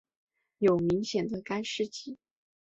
有明显的干湿季。